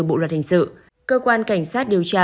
bộ luật hình sự cơ quan cảnh sát điều tra